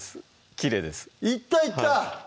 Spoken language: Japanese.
きれいですいったいった！